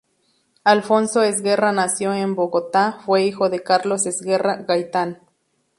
Alfonso Esguerra nació en Bogotá fue hijo de Carlos Esguerra Gaitán.